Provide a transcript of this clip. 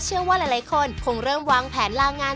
เชื่อว่าหลายคนคงเริ่มวางแผนลางาน